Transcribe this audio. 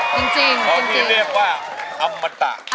พร้อมที่เรียกว่าอามตะ